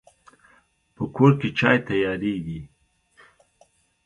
په کور کې چای تیاریږي